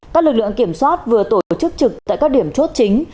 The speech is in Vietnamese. các lực lượng kiểm soát vừa tổ chức trực tại các điểm chốt chính